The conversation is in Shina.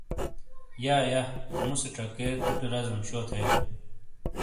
یا یا۔ موسے چکَے توٹے رزیم شو تھے۔